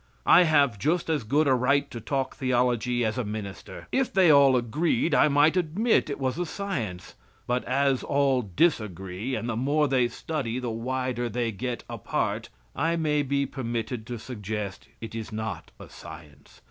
I have just as good a right to talk theology as a minister. If they all agreed I might admit it was a science, but as all disagree, and the more they study the wider they get apart, I may be permitted to suggest, it is not a science.